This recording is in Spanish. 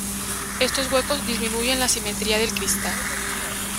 Estos huecos disminuyen la simetría del cristal.